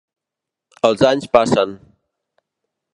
Els anys passen.